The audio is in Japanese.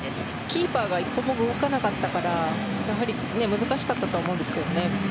キーパーが１歩も動かなかったから難しかったと思うんですけどね。